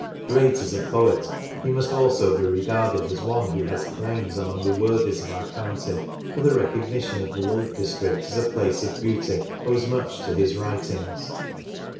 Great as a poet, he must also he regarded as one who has claims among the worthies of our county, for the recognition of the Lake District as a place of beauty owes much to his writings.